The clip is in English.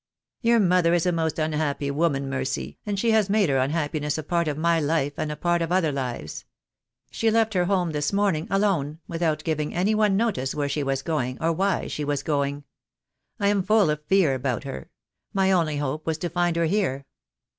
"Your mother is a most unhappy woman, Mercy, and she has made her unhappiness a part of my life, and a part of other lives. She left her home this morning, alone, without giving any one notice where she was going, or why she was going. I am full of fear about her. My only hope was to find her here."